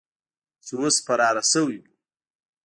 چې اوس فراره سوي وو.